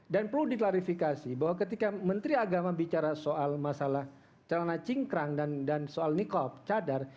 dan perlu diklarifikasi bahwa ketika menteri agama bicara soal masalah celana cingkrang dan soal nikob cadar